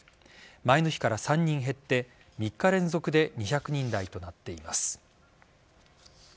前の日から３人減って３日連続で２００人台となっています。